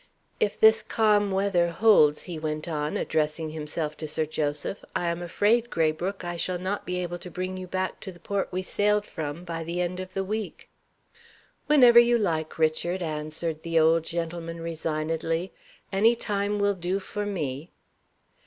"If this calm weather holds," he went on, addressing himself to Sir Joseph, "I am afraid, Graybrooke, I shall not be able to bring you back to the port we sailed from by the end of the week." "Whenever you like, Richard," answered the old gentleman, resignedly. "Any time will do for me."